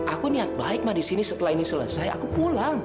aku niat baik ma di sini setelah ini selesai aku pulang